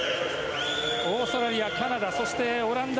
オーストラリア、カナダそしてオランダ